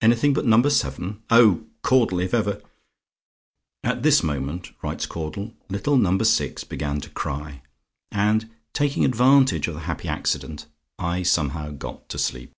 "ANYTHING BUT NUMBER SEVEN? "Oh, Caudle, if ever " "At this moment," writes Caudle, "little Number Six began to cry; and taking advantage of the happy accident I somehow got to sleep."